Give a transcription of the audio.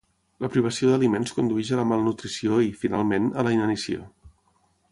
La privació d'aliments condueix a la malnutrició i, finalment, a la inanició.